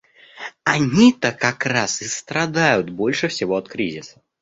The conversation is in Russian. Они-то как раз и страдают больше всего от кризиса.